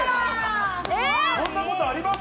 そんなことあります？